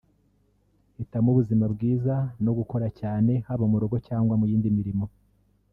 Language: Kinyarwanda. Hitamo ubuzima bwiza no gukora cyane haba mu rugo cyangwa mu yindi mirimo